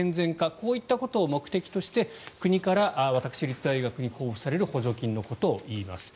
こういったことを目的として国から私立大学に交付される補助金のことを言います。